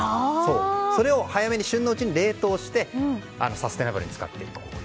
それを早めに旬のうちに冷凍して、サステナブルに使っている。